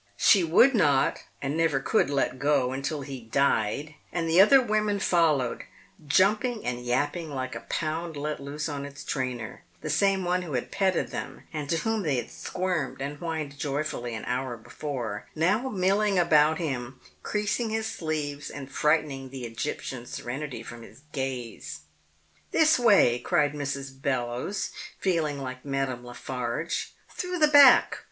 She would not and never could let go, until he died, and the other women followed, jumping and yapping like a pound let loose on its trainer, the same one who had petted them and to whom they had squirmed and whined joyfully an hour before, now milling about him, creasing his sleeves and frightening the Egyptian serenity from his gaze. "This way!" cried Mrs. Bellowes, feeling like Madame Lafarge. "Through the back!